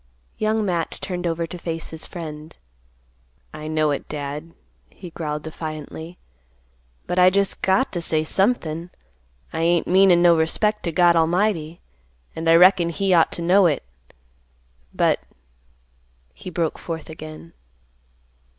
Young Matt turned over to face his friend; "I know it, Dad;" he growled defiantly; "but I just got to say somethin'; I ain't meanin' no disrespect to God 'lmighty, and I reckon He ought to know it; but—" he broke forth again.